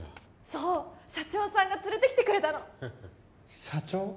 そう社長さんが連れてきてくれたの社長？